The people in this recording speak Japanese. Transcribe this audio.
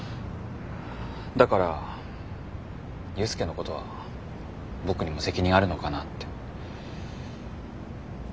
だから裕介のことは僕にも責任あるのかなって。